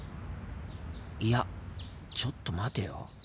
いやちょっと待てよ。